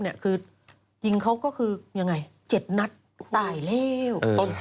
คือยิงเขาก็คือยังไง๗นัดตายแล้ว